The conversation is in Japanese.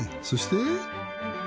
そして。